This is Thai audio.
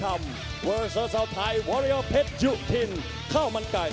และในกว่าราวที่สองคู่มากเท่านี้